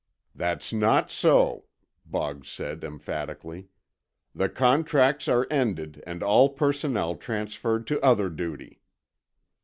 "That's not so," Boggs said emphatically. "The contracts are ended, and all personnel transferred to other duty."